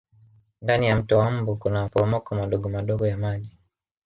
ndani ya mto wa mbu Kuna maporomoko madogomadogo ya maji